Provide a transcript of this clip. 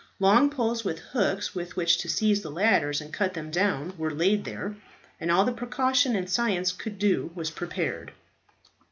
Long poles with hooks with which to seize the ladders and cut them down were laid there; and all that precaution and science could do was prepared.